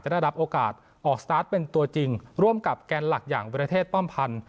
ได้รับโอกาสออกสตาร์ทเป็นตัวจริงร่วมกับแกนหลักอย่างวิรเทศป้อมพันธ์